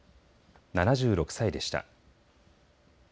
７６歳でした。